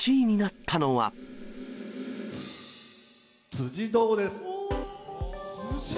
辻堂です。